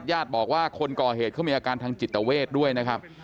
ญาติบอกว่าคนก่อเหตุเขามีอาการทางจิตเวทด้วยนะครับ